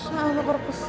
iya ke perpus